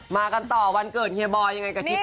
มากันต่อวันเกิดเฮียบอยยังไงกับคลิป